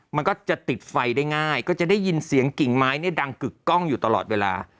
มันก็จะติดไฟได้ง่ายก็จะได้ยินเสียงกิ่งไม้เนี่ยดังกึกกล้องอยู่ตลอดเวลา